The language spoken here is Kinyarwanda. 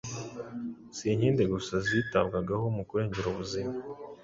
Si inkingo gusa zitabwaho mu kurengera ubuzima.